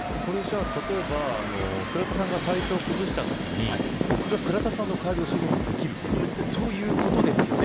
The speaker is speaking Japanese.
例えば、倉田さんが体調を崩したときに僕が倉田さんの代わりをすることもできるということですよね。